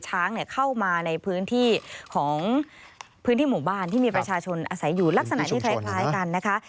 ช้างเข้ามาในพื้นที่ของพื้นที่หมู่บ้านที่มีประชาชนอาศัยอยู่ลักษณะที่คล้ายกันนะคะ